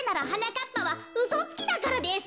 かっぱはうそつきだからです。